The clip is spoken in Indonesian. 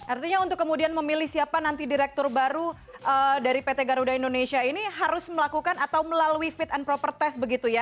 artinya untuk kemudian memilih siapa nanti direktur baru dari pt garuda indonesia ini harus melakukan atau melalui fit and proper test begitu ya